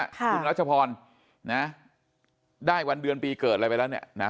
คุณรัชพรนะได้วันเดือนปีเกิดอะไรไปแล้วเนี่ยนะ